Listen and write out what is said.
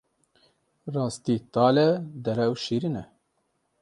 Rastî tal e, derew şîrîn e.